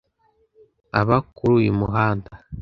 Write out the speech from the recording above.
Aba kuri uyu muhanda